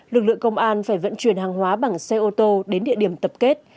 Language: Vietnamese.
lực lượng công an phải vận chuyển hàng hóa bằng xe ô tô đến địa điểm tập kết